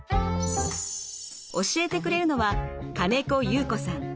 教えてくれるのは金子祐子さん。